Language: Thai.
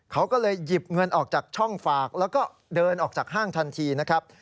เขาก็เลยหยิบเงินออกจากช่องฝากแล้วก็เดินออกจากห้างทันทีนะครับ